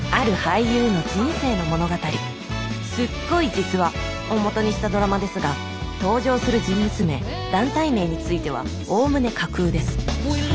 すっごい実話！をもとにしたドラマですが登場する人物名団体名についてはおおむね架空です